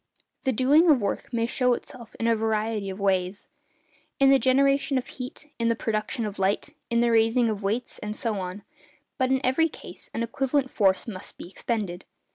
The doing of work may show itself in a variety of ways— in the generation of heat, in the production of light, in the raising of weights, and so on; but in every case an equivalent force must be expended.